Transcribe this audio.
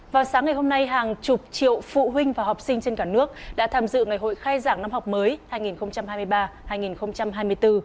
vào sáng ngày hôm nay hàng chục triệu phụ huynh và học sinh trên cả nước đã tham dự ngày hội khai giảng năm học mới hai nghìn hai mươi ba hai nghìn hai mươi bốn